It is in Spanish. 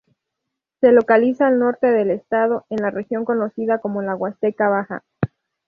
Se localiza al norte del estado, en la región conocida como la Huasteca Baja.